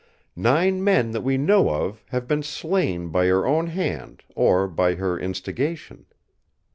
Nine men that we know of have been slain by her own hand or by her instigation.